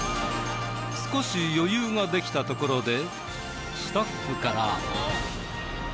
少し余裕ができたところでスタッフから。